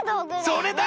それだ！